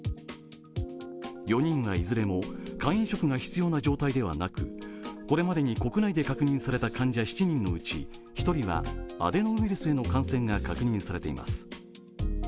４人はいずれも肝移植が必要な状態ではなくこれまで国内で感染された患者７人のうち１人はアデノウイルスへの感染が確認されています。